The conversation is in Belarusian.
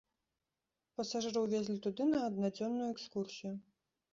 Пасажыраў везлі туды на аднадзённую экскурсію.